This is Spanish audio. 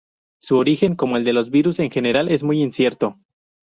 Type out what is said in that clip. Su origen, como el de los virus en general, es muy incierto.